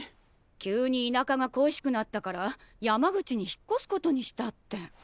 急に田舎が恋しくなったから山口に引っ越すことにしたって。